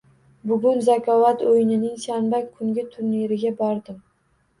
Bugun Zakovat oʻyinining shanba kungi turniriga bordim.